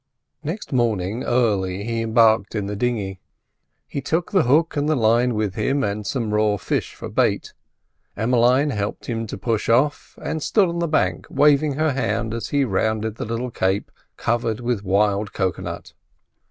Next morning early he embarked in the dinghy. He took the hook and line with him, and some raw fish for bait. Emmeline helped him to push off, and stood on the bank waving her hand as he rounded the little cape covered with wild cocoa nut.